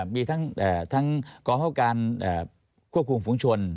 มีทั้งกรรมภาพการควบคุมฝุงชน